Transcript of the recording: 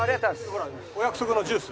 ほらお約束のジュース。